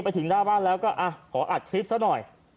ไปถึงหน้าบ้านแล้วก็ขออัดคลิปซะหน่อย